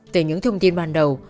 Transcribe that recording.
từ những thông tin ban đầu